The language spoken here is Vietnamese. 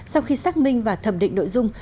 sau khi xác minh và thẩm định nội dung